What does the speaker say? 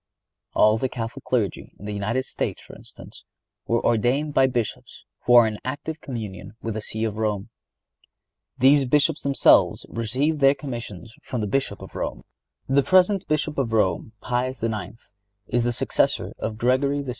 All the Catholic Clergy in the United States, for instance, were ordained only by Bishops who are in active communion with the See of Rome. These Bishops themselves received their commissions from the Bishop of Rome. The present Bishop of Rome, Pius IX., is the successor of Gregory XVI.